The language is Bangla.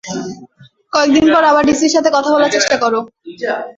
কয়েকদিন পর আবার ডিসির সাথে কথা বলার চেষ্টা কর।